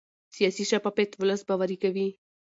سیاسي شفافیت ولس باوري کوي